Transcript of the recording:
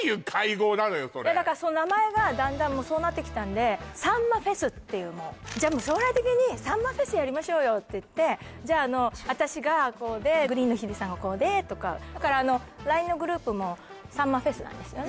だからその名前がだんだんそうなってきたんで「さんまフェス」っていうもうじゃあもう将来的にさんまフェスやりましょうよって言ってじゃあ私がこうでＧＲｅｅｅｅＮのＨＩＤＥさんがこうでとかだからＬＩＮＥのグループも「さんまフェス」なんですよね